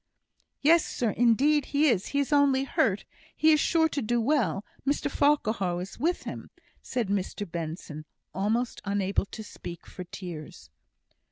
"Yes, sir indeed he is; he is only hurt. He is sure to do well. Mr Farquhar is with him," said Mr Benson, almost unable to speak for tears.